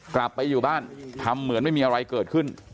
กลับไปอยู่บ้านทำเหมือนไม่มีอะไรเกิดขึ้น